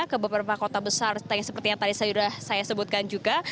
ke beberapa kota besar seperti yang tadi sudah saya sebutkan juga